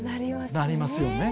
なりますね。